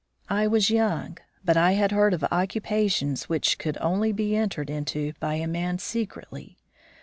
I was young, but I had heard of occupations which could only be entered into by a man secretly.